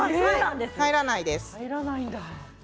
入らないんです。